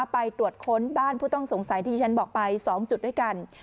ไปตรวจค้นบ้านผู้ต้องสงสัยที่ที่ฉันบอกไป๒จุดด้วยกัน